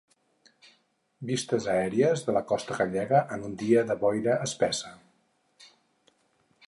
Vistes aèries de la costa gallega en un dia de boira espessa.